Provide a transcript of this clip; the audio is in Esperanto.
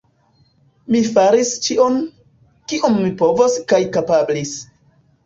Mi faris ĉion, kion mi povis kaj kapablis.